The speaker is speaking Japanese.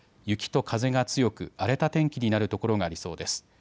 雪と風が強く荒れた天気になるところがありそうです。